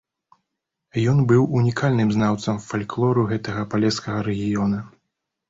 Ён быў унікальным знаўцам фальклору гэтага палескага рэгіёна.